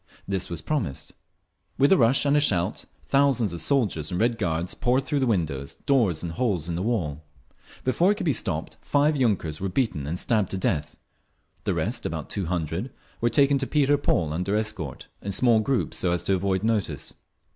This was promised. With a rush and a shout thousands of soldiers and Red Guards poured through windows, doors and holes in the wall. Before it could be stopped five yunkers were beaten and stabbed to death. The rest, about two hundred, were taken to Peter Paul under escort, in small groups so as to avoid notice.